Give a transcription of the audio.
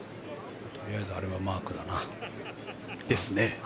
とりあえずあれはマークだな。ですね。